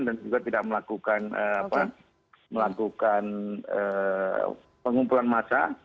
dan juga tidak melakukan pengumpulan masa